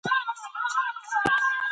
شاید په راتلونکي کې ټولنیزې ستونزې کمې سي.